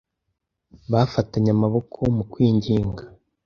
bafatanye amaboko mu kwinginga